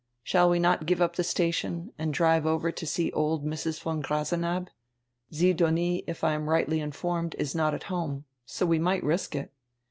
Shall we not give up the station and drive over to see old Mrs. von Grasenabb? Sidonie, if I am rightly informed, is not at home. So we might risk it."